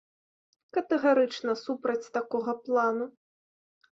Катэгарычна супраць такога плану.